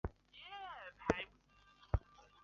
其总部设在匈牙利布达佩斯。